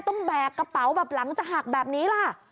แบกกระเป๋าแบบหลังจะหักแบบนี้ล่ะ